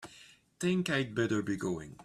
Think I'd better be going.